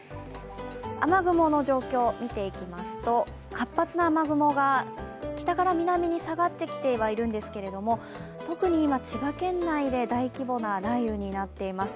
雨雲の状況を見ていきますと、活発な雨雲が北から南に下がってはきているんですが、特に今、千葉県内で大規模な雷雨になっています。